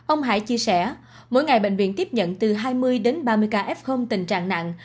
ông hải chia sẻ mỗi ngày bệnh viện tiếp nhận từ hai mươi đến ba mươi ca f tình trạng nặng